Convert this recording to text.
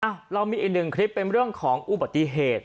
เรามีอีกหนึ่งคลิปเป็นเรื่องของอุบัติเหตุ